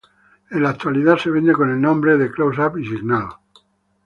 En la actualidad se vende con el nombre de Close-Up y Signal.